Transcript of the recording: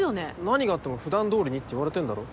何があっても普段通りにって言われてんだろ？